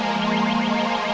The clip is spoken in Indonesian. ya terima kasih ya pak